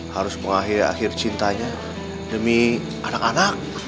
harus mengakhiri akhir cintanya demi anak anak